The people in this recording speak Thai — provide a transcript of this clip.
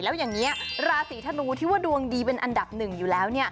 แล้วอย่างนี้ราศีธนูที่ว่าดวงดีเป็นอันดับหนึ่งอยู่แล้ว